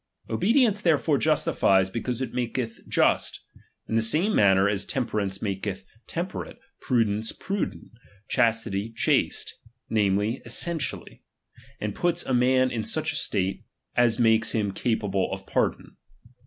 Obedience therefore justifies, be cause it mdketh just ; in the same manner as temperance maketh temperate, prudence prudent, chastity chaste ; namely, essentially ; and puts a man in such a state, as makes him capable of par don.